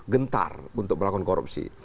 gentar untuk melakukan korupsi